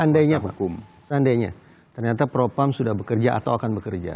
andainya vakum seandainya ternyata propam sudah bekerja atau akan bekerja